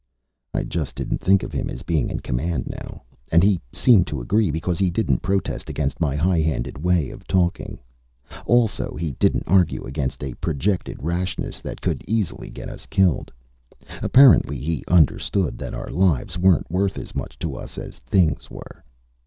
I just didn't think of him as being in command now. And he seemed to agree, because he didn't protest against my high handed way of talking. Also, he didn't argue against a projected rashness that could easily get us killed. Apparently he understood that our lives weren't worth much to us as things were.